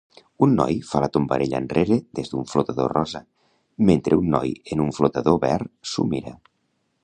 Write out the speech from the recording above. Un noi fa la tombarella enrere des d'un flotador rosa mentre un noi en un flotador ver s'ho mira.